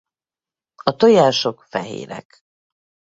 A tojások fehérek.